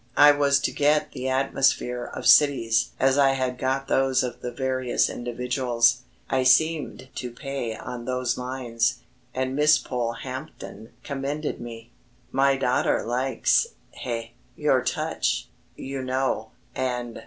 I was to get the atmosphere of cities as I had got those of the various individuals. I seemed to pay on those lines, and Miss Polehampton commended me. "My daughter likes ... eh ... your touch, you know, and...."